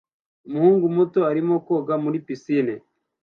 Umuhungu muto arimo koga muri pisine